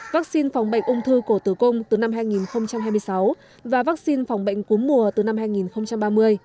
vaccine phòng bệnh ung thư cổ tử cung từ năm hai nghìn hai mươi sáu và vaccine phòng bệnh cúm mùa từ năm hai nghìn ba mươi